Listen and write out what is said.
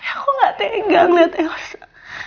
tapi aku gak tegang lihat elsa